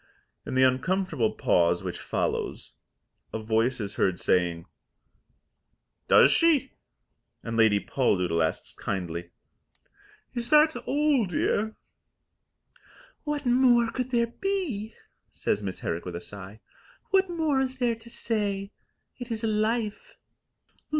In the uncomfortable pause which follows, a voice is heard saying, "Does she?" and Lady Poldoodle asks kindly, "Is that all, dear?" "What more could there be?" says Miss Herrick with a sigh. "What more is there to say? It is Life."